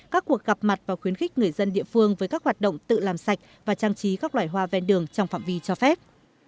các cuộc gặp mặt và khuyến khích người dân địa phương với các hoạt động tự làm sạch và trang trí các loài hoa ven đường trong phạm vi cho phép